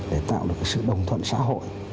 để tạo được sự đồng thuận xã hội